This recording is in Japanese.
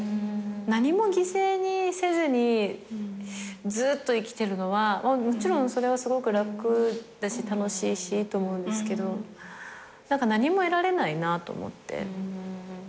何も犠牲にせずにずっと生きてるのはもちろんそれはすごく楽だし楽しいしいいと思うんですけど何も得られないなと思って。